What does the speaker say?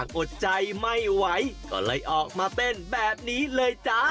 อดใจไม่ไหวก็เลยออกมาเต้นแบบนี้เลยจ้า